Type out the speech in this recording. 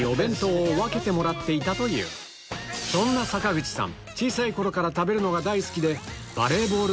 そんな坂口さん